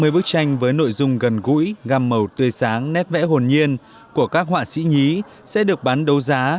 năm mươi bức tranh với nội dung gần gũi gam màu tươi sáng nét vẽ hồn nhiên của các họa sĩ nhí sẽ được bán đấu giá